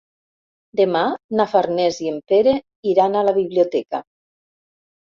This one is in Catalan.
Demà na Farners i en Pere iran a la biblioteca.